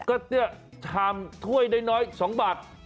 ก็ทามถ้วยได้น้อย๒บาท